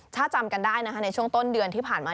ถ้าจำกันได้นะคะในช่วงต้นเดือนที่ผ่านมา